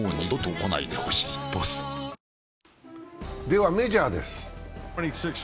ではメジャーです。